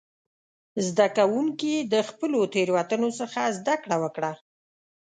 زده کوونکي د خپلو تېروتنو څخه زده کړه وکړه.